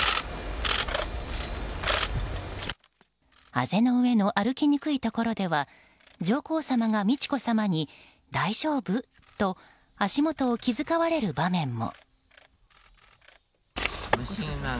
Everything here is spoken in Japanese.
畔の上の歩きにくいところでは上皇さまが美智子さまに大丈夫？と足元を気遣われる場面も。